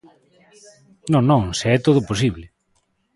Non, non, se é todo posible.